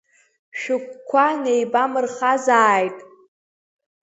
Шәыгәқәа неибамырхазааит!